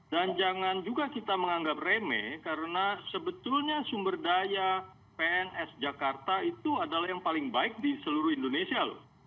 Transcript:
dan jangan juga kita menganggap remeh karena sebetulnya sumber daya pns jakarta itu adalah yang paling baik di seluruh indonesia loh